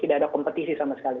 tidak ada kompetisi sama sekali